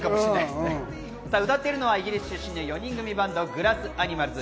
歌っているのはイギリス出身の４人組バンド、グラス・アニマルズ。